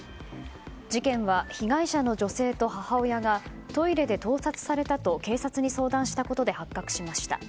事件は被害者の女性と母親がトイレで盗撮されたと警察に相談したことで発覚しました。